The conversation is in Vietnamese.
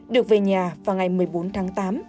được về nhà vào ngày một mươi bốn tháng tám